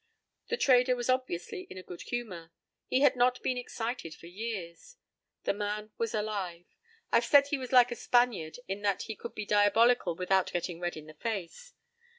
p> The trader was obviously in a good humor. He had not been excited for years. The man was alive. I've said he was like a Spaniard in that he could be diabolical without getting red in the face.